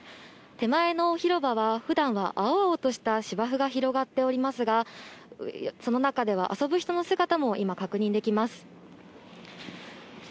手前の広場はふだんは青々とした芝生が広がっておりますが、その中では遊ぶ人の姿も今、確認できます。